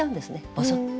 ぼそっと。